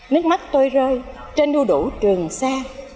nước mắt tôi rơi trên đu đủ trường sa